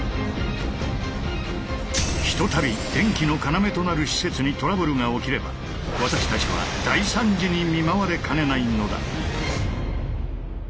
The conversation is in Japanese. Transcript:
一たび電気のかなめとなる施設にトラブルが起きれば私たちは大惨事に見舞われかねないのだ。